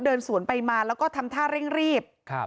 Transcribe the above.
เดินสวนไปมาแล้วก็ทำท่าเร่งรีบ